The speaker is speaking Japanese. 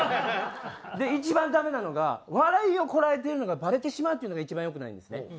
一番ダメなのが笑いをこらえているのがバレてしまうっていうのが一番良くないんですね。